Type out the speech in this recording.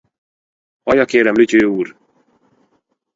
Hallja, kérem, Luköie úr!